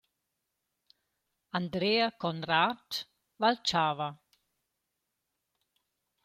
Andrea Conrad, Valchava.